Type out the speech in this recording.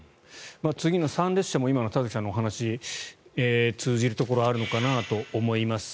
次の参列者も今の田崎さんのお話に通じるところがあるのかなと思います。